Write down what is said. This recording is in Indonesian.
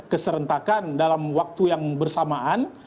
keserentakan dalam waktu yang bersamaan